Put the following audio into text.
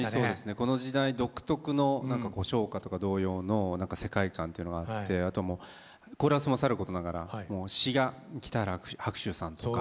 この時代独特の唱歌とか童謡の世界観というのがあってあとはもうコーラスもさることながら詞が北原白秋さんとか。